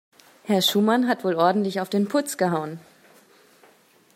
Herr Schumann hat wohl ordentlich auf den Putz gehauen.